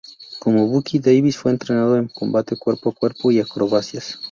Como Bucky, Davis fue entrenado en combate cuerpo a cuerpo y acrobacias.